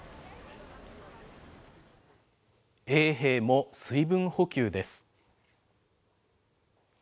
衛兵も水分補給です。